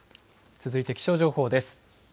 続いて気象情報です。